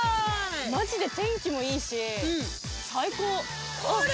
マジで天気もいいし最高。